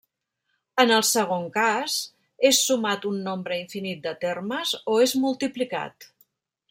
En el segon cas, és sumat un nombre infinit de termes o és multiplicat.